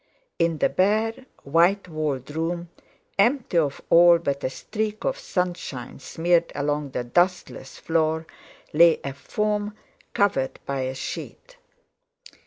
In the bare, white walled room, empty of all but a streak of sunshine smeared along the dustless floor, lay a form covered by a sheet.